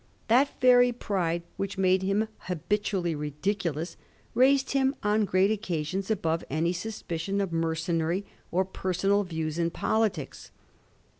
That very pride which made him habitually ridiculous raised him on great occasions above any suspicion of mercenary or personal views in politics.